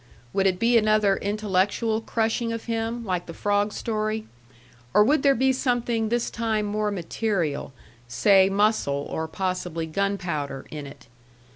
Would it be another intellectual crushing of him, like the frog story, or would there be something this time more material say muscle, or possibly gunpowder in it?